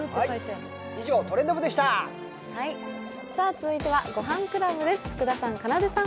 続いては「ごはんクラブ」です。